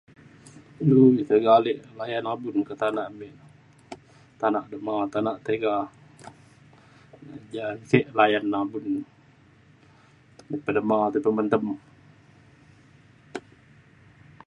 du tiga ale layan abun ke tanak me tanak dema tanak tiga ja sek layan abun pe dema pe mentem.